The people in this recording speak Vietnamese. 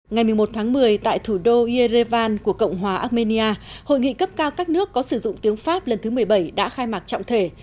ngày một mươi một tháng một mươi tại thủ đô irevan của cộng hòa armenia hội nghị cấp cao các nước có sử dụng tiếng pháp lần thứ một mươi bảy đã khai mạc trọng thể